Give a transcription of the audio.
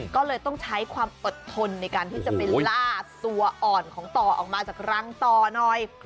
ก็เลยต้องใช้ความอดทนในการที่จะไปล่าตัวอ่อนของต่อออกมาจากรังต่อหน่อย